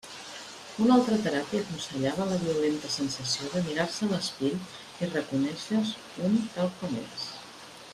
Una altra teràpia aconsellava la violenta sensació de mirar-se a l'espill i reconéixer-se u tal com és.